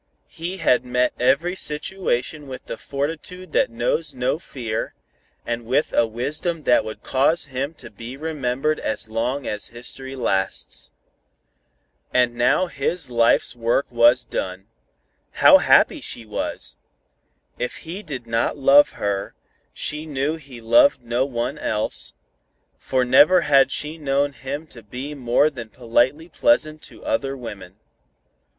He had met every situation with the fortitude that knows no fear, and with a wisdom that would cause him to be remembered as long as history lasts. And now his life's work was done. How happy she was! If he did not love her, she knew he loved no one else, for never had she known him to be more than politely pleasant to other women.